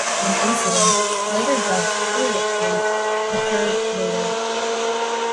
An incident, later dubbed "Toiletgate", occurred later.